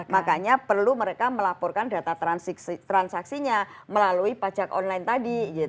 makanya perlu mereka melaporkan data transaksinya melalui pajak online tadi